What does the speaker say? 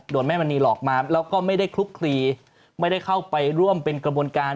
แม่มณีหลอกมาแล้วก็ไม่ได้คลุกคลีไม่ได้เข้าไปร่วมเป็นกระบวนการ